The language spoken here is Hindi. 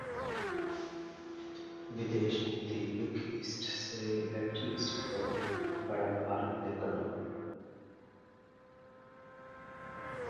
विदेश नीति: 'लुक ईस्ट' से 'एक्ट ईस्ट' की तरफ बढ़ाए भारत ने कदम